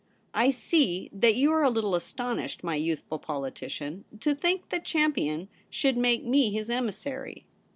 * I see that you are a little astonished, my youthful politician, to think that Champion should make me his emissary.